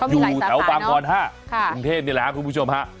อยู่แถวบางบอน๕กรุงเทพนี่แหละครับคุณผู้ชมฮะ